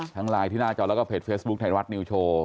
ไลน์ที่หน้าจอแล้วก็เพจเฟซบุ๊คไทยรัฐนิวโชว์